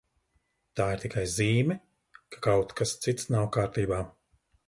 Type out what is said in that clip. Tā ir tikai zīme, ka kaut kas cits nav kārtībā.